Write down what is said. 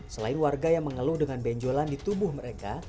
selain warga yang mengeluh dengan benjolan di tubuh mereka